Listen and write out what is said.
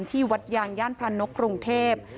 ที่วัดยางย่านพระนกกรุงเทพ